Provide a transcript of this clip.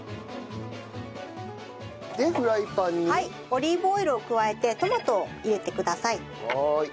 オリーブオイルを加えてトマトを入れてください。